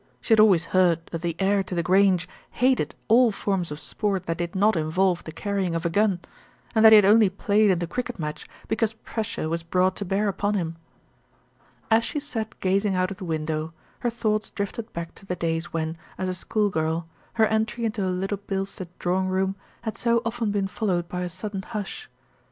She had always heard that the heir to The Grange hated all forms of sport that did not involve the carrying of a gun, and that he had only played in the cricket match because pressure was brought to bear upon him. 128 THE RETURN OF ALFRED As she sat gazing out of the window, her thoughts drifted back to the days when, as a schoolgirl, her entry into a Little Bilstead drawing room had so often been followed by a sudden hush.